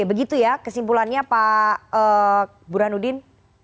begitu ya kesimpulannya pak burhanuddin